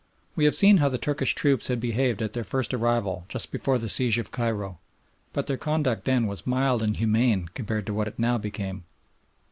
We have seen how the Turkish troops had behaved at their first arrival just before the siege of Cairo, but their conduct then was mild and humane compared to what it now became.